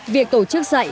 việc tổ chức dạy